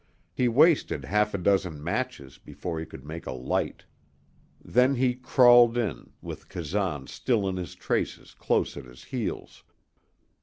He wasted half a dozen matches before he could make a light. Then he crawled in, with Kazan still in his traces close at his heels.